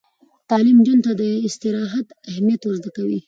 تعلیم نجونو ته د استراحت اهمیت ور زده کوي.